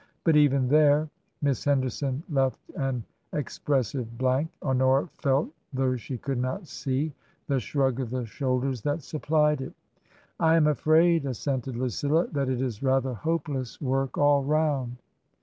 But even there " [Miss Henderson left an expressive blank ; Honora felt, though she could not see, the shrug of the shoulders that supplied it.] " I am afraid," assented Lucilla, " that it is rather hopeless work all round."